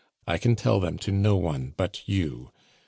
I can tell them to no one but you.